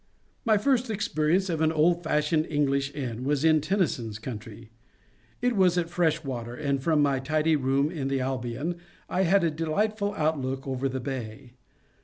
My first experience of an old fashioned English inn was in Tennyson's country. It was at Freshwater, and from my tidy room in the Albion I had a beautiful outlook over the bay.